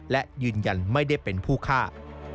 และยืนยันไม่ได้เป็นผู้ฆ่า